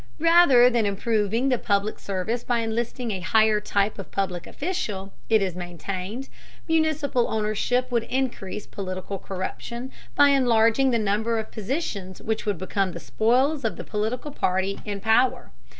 Rather than improving the public service by enlisting a higher type of public official, it is maintained, municipal ownership would increase political corruption by enlarging the number of positions which would become the spoils of the political party in power.